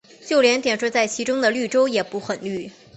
就连点缀在其中的绿洲也不很绿。